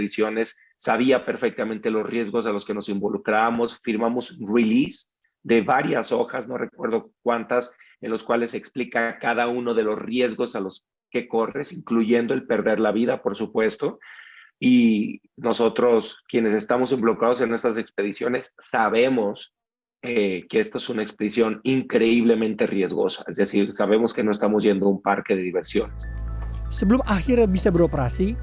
sebelum akhirnya bisa beroperasi